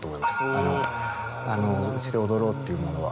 あの『うちで踊ろう』というものは。